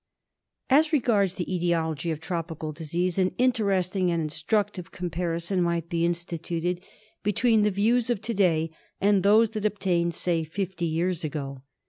As regards the etiology of tropical disease, an interesting and instructive comparison might be instituted between the views of to day and those that obtained say fifty years ago.